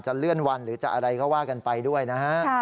เลื่อนวันหรือจะอะไรก็ว่ากันไปด้วยนะฮะ